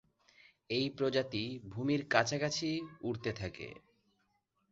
এই প্রজাতি ভূমির কাছাকাছি উড়তে থাকে।